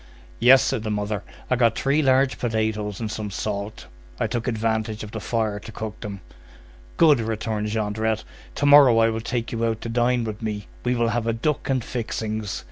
"Yes," said the mother. "I got three large potatoes and some salt. I took advantage of the fire to cook them." "Good," returned Jondrette. "To morrow I will take you out to dine with me. We will have a duck and fixings.